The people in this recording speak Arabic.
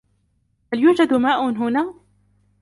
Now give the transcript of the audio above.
هل يوجد ماء هنا؟